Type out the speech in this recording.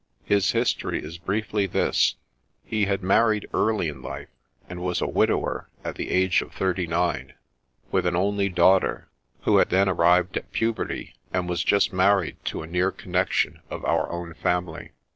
His history is briefly this :— He had married early in life, and was a widower at the age of thirty nine, with an only daughter, who had then arrived at puberty, and was just married to a near connection of our own family.